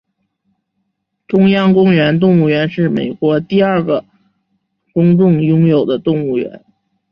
中央公园动物园是美国第二个公众拥有的动物园。